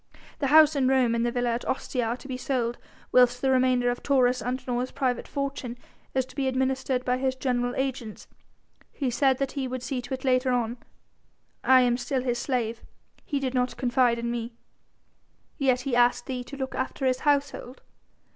The house in Rome and the villa at Ostia are to be sold, whilst the remainder of Taurus Antinor's private fortune is to be administered by his general agents. He said that he would see to it later on. I am still his slave; he did not confide in me." "Yet he asked thee to look after his household."